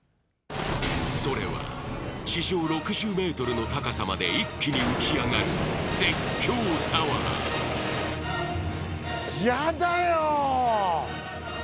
それは地上６０ｍの高さまで一気に打ち上がる絶叫タワーイヤだよ